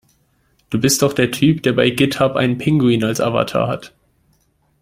Du bist doch der Typ, der bei Github einen Pinguin als Avatar hat.